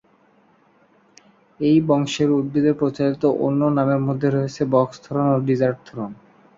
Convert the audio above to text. এই বংশের উদ্ভিদের প্রচলিত অন্য নামের মধ্যে রয়েছে "বক্স-থ্রোন" ও "ডিজার্ট-থ্রোন"।